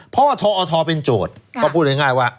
เพราะว่าทอทเป็นโจทย์ก็พูดง่ายว่า